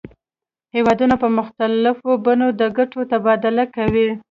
هیوادونه په مختلفو بڼو د ګټو تبادله کوي